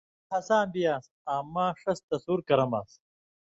بابر ہَساں بِی یان٘س، آں مہ ݜَس تَصُور کَرَمَان٘س